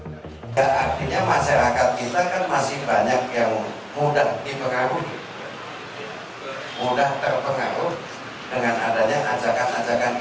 artinya masyarakat kita kan masih banyak yang mudah dipengaruhi mudah terpengaruh dengan adanya ajakan ajakan